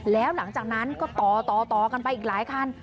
แล้วหลังจากนั้นก็ต่อกันไปอีกหลายคัน